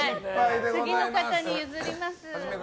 次の方に譲ります。